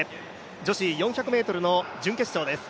女子４００ｍの準決勝です。